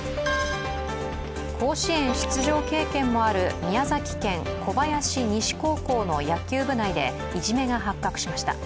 甲子園出場経験もある宮崎県小林西高校の野球部内でいじめが発覚しました。